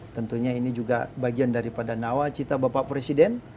tentunya ini juga bagian daripada nawacita bapak presiden